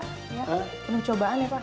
penuh cobaan ya pak